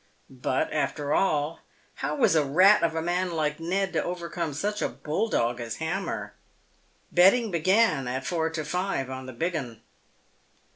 But, after all, how was a rat of a man like Ned to overcome such a bull dog as Hammer. Betting began at four to five on the " big 'un."